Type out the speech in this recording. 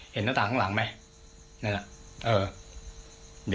เห็นหน้าต่างข้างหลังไหมนั่นล่ะเออ